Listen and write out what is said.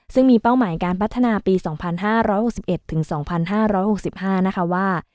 ซึ่งมีเป้าหมายการพัฒนาปี๒๕๖๑ถึง๒๕๖๕นะคะว่า